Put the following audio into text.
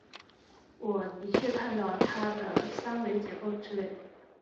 我的确看到它的三维结构之类。